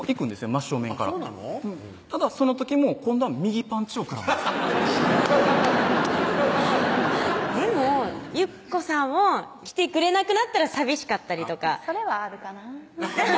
真正面からただその時も今度は右パンチを食らうんですでもゆっこさんも来てくれなくなったら寂しかったりとかそれはあるかな